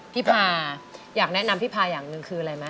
พี่พาอยากแนะนำพี่พาอย่างหนึ่งคืออะไรไหม